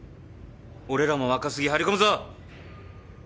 俺らも若杉張り込むぞ！